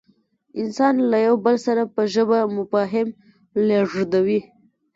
انسانان له یو بل سره په ژبه مفاهیم لېږدوي.